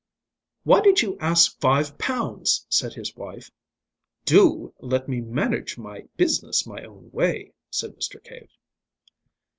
"Why did you ask five pounds?" said his wife. "Do let me manage my business my own way!" said Mr. Cave.